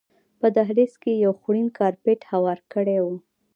په دهلیز کې یې یو خوړین کارپېټ هوار کړی و.